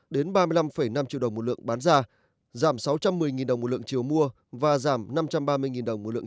đến ba mươi năm năm triệu đồng một lượng bán ra giảm sáu trăm một mươi đồng một lượng chiều mua và giảm năm trăm ba mươi đồng một lượng